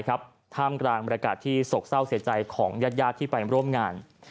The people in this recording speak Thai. ชอบถามกลางบริการที่ส่งเจ้าใจของญาติที่ไปร่วมงาน